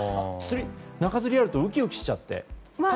中づりがあるとウキウキしちゃって。